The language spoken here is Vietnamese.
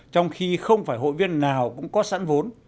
trong khi không phải hội viên nào cũng có sẵn vốn